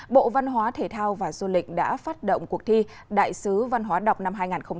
bộ văn hóa thể thao và du lịch đã phát động cuộc thi đại sứ văn hóa đọc năm hai nghìn hai mươi bốn